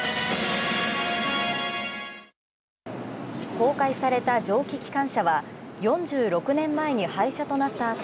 公開された蒸気機関車は４６年前に廃車となったあと